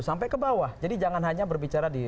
sampai ke bawah jadi jangan hanya berbicara di